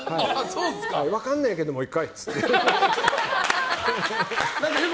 分からないけどもう１回って言って。